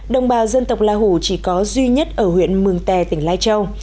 đồng bào dân tộc la hủ chỉ có duy nhất ở huyện mường tè tỉnh lai châu